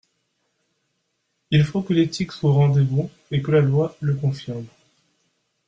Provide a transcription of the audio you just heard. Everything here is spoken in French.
Il faut que l’éthique soit au rendez-vous et que la loi le confirme.